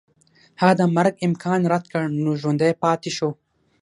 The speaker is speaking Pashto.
هغه د مرګ امکان رد کړ نو ژوندی پاتې شو.